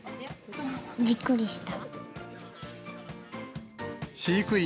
びっくりした。